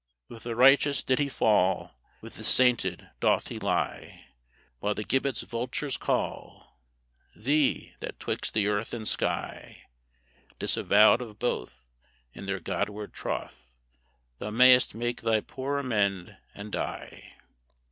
With the righteous did he fall, With the sainted doth he lie; While the gibbet's vultures call Thee, that, 'twixt the earth and sky, Disavowed of both In their Godward troth, Thou mayst make thy poor amend, and die.